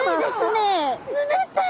冷たい。